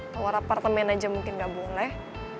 kalau raportemen aja mungkin gak boleh